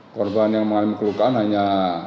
korban yang mengalami kelukaan hanya